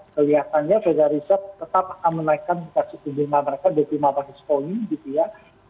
kelihatannya federal reserve tetap akan menaikkan s lima belas mereka dari lima basis point gitu ya